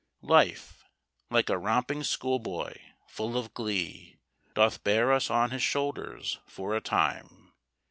Life, like a romping schoolboy, full of glee, Doth bear us on his shoulders for a time.